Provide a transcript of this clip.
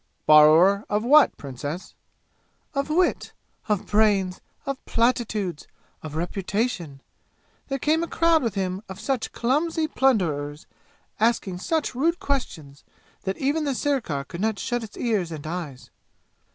"Borrower of what, Princess?" "Of wit! Of brains! Of platitudes! Of reputation! There came a crowd with him of such clumsy plunderers, asking such rude questions, that even the sirkar could not shut its ears and eyes!